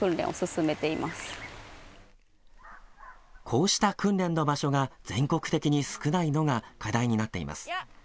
こうした訓練の場所が全国的に少ないのが課題になっています。